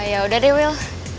yaudah deh will